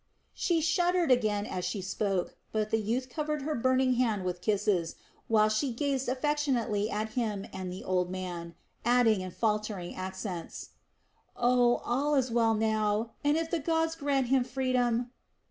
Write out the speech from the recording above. She shuddered again as she spoke; but the youth covered her burning hand with kisses, while she gazed affectionately at him and the old man, adding in faltering accents: "Oh, all is well now, and if the gods grant him freedom...."